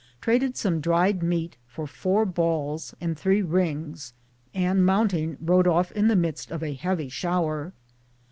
Traded some dried meat for 4 balls and 3 rings, and mounting, rode off in the midst of a heavy shower.